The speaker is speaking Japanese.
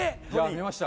見ました。